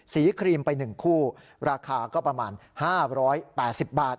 ครีมไป๑คู่ราคาก็ประมาณ๕๘๐บาท